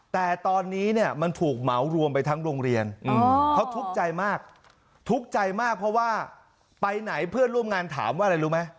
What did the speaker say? แต่ตอนนี้เนี่ยมันถูกเหมารวมไปทั้งโรงเรียนเขาทุกข์ใจมากทุกข์ใจมากเพราะว่าไปไหนเพื่อนร่วมงานถามว่าอะไรรู้ไหม